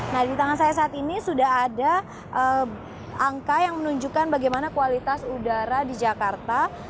nah di tangan saya saat ini sudah ada angka yang menunjukkan bagaimana kualitas udara di jakarta